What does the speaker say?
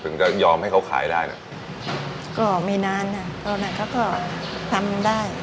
จะยอมให้เขาขายได้น่ะก็ไม่นานค่ะตอนนั้นเขาก็ทำได้